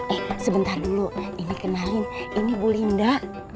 eh sebentar dulu ini kenalin ini bu linda